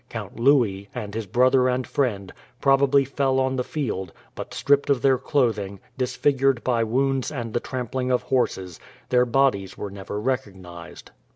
Count Louis, and his brother and friend, probably fell on the field, but stripped of their clothing, disfigured by wounds and the trampling of horses, their bodies were never recognized.